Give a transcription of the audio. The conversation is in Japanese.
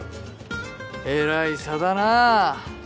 えらい差だなあ。